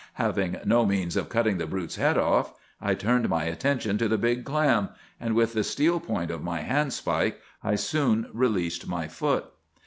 Having no means of cutting the brute's head off, I turned my attention to the big clam, and with the steel point of my handspike I soon released my foot.